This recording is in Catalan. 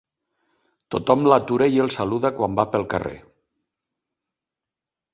Tothom l'atura i el saluda quan va pel carrer.